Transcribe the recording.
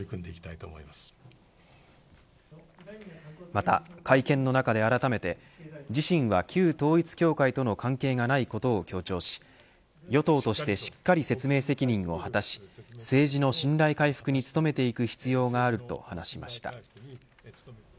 また会見の中であらためて自身は旧統一教会との関係がないことを強調し与党としてしっかり説明責任を果たし政治の信頼回復に努めていく必要があると話しました。